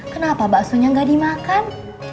kenapa baksonya nggak dimakan